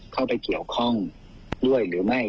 เข้าไปเกี่ยวข้องด้วยหรือไม่